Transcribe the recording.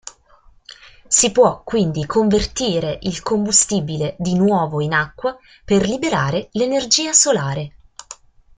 Si può quindi convertire il combustibile di nuovo in acqua per liberare l'energia solare.